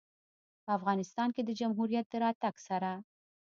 په افغانستان کې د جمهوریت د راتګ سره